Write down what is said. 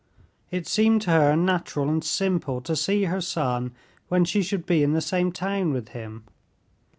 It seemed to her natural and simple to see her son when she should be in the same town with him.